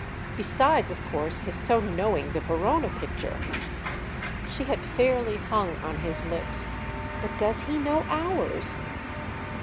Besides of course his so knowing the Verona picture." She had fairly hung on his lips. "But does he know ours?"